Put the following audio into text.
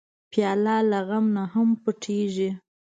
پیاله له غم نه هم پټېږي.